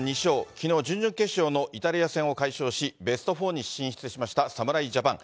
きのう、準々決勝のイタリア戦を快勝し、ベスト４に侍ジャパン。